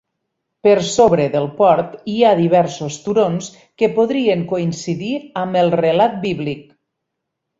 Per sobre del port hi ha diversos turons que podrien coincidir amb el relat bíblic.